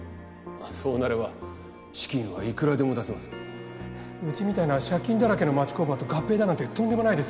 あっそうなれば資金はいくらでも出せうちみたいな借金だらけの町工場と合併だなんてとんでもないです。